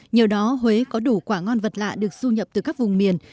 nhờ đó huế có đủ quả ngon vật lạ được du nhập từ các vùng miền